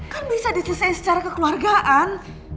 kan bisa diselesaikan secara kekeluargaan